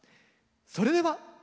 それでは。